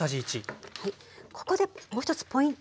ここでもう一つポイント